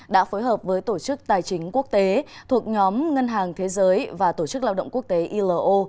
đã phối hợp với tổ chức tài chính quốc tế thuộc nhóm ngân hàng thế giới và tổ chức lao động quốc tế ilo